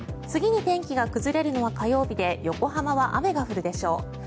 次に天気が崩れるのは火曜日で横浜は雨が降るでしょう。